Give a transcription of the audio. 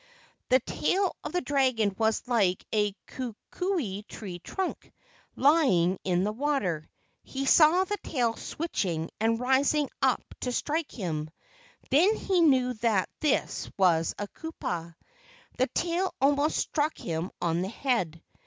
The tail of the dragon was like a kukui tree trunk lying in the water. He saw the tail switching and rising up to strike him. Then he knew that this was a kupua. The tail almost struck him on the head.